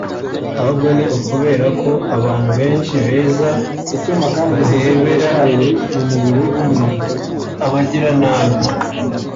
ahubwo ni ukubera ko abantu benshi beza barebera abagira nabi ”